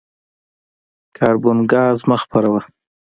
کاربن ګاز مه خپروه.